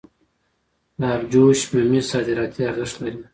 د ابجوش ممیز صادراتي ارزښت لري.